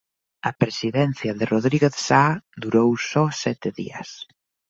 A presidencia de Rodríguez Saa durou só sete días.